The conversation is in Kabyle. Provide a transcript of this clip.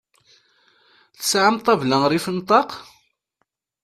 Tesɛam ṭabla rrif n ṭaq?